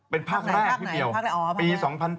เป็นภาคแรกที่เดียวปี๒๐๑๘